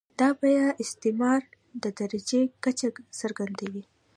دا بیه د استثمار د درجې کچه څرګندوي